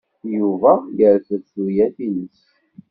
Yuba yerfed tuyat-nnes.